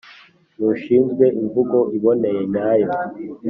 n’ushinzwe imvugo iboneye nyayo.